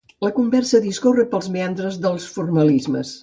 La conversa discorre pels meandres dels formalismes.